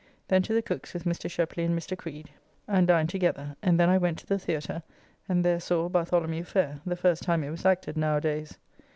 Then to the Cook's with Mr. Shepley and Mr. Creed, and dined together, and then I went to the Theatre and there saw Bartholomew Faire, the first time it was acted now a days.